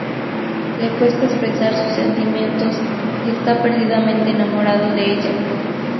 Le cuesta expresar sus sentimientos y esta perdidamente enamorado de ella.